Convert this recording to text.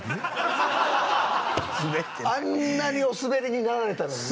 あんなにおスベりになられたのに？